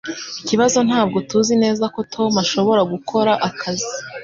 Ikibazo ntabwo tuzi neza ko Tom ashobora gukora akazi.